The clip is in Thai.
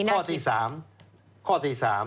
อืมอันนี้น่าคิด